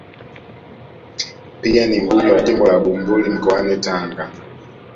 Pia ni mbunge wa jimbo la Bumbuli mkoani Tanga